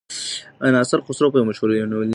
ناصر خسرو یو مشهور یونلیک لري.